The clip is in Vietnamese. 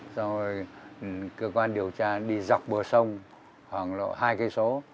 sau đó cơ quan điều tra đi dọc bờ sông khoảng hai km